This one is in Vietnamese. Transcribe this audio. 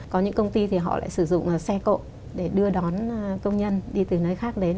có những công ty thì họ lại sử dụng xe cộ để đưa đón công nhân đi từ nơi khác đến